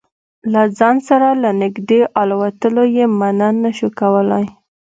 له ځان سره له نږدې الوتلو یې منع نه شو کولای.